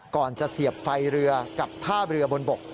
ก่อนจะเสียบไฟเรือกับท่าเรือบนบก